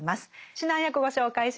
指南役ご紹介します。